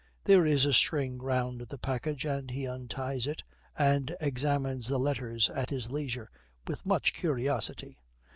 There is a string round the package, and he unties it, and examines the letters at his leisure with much curiosity.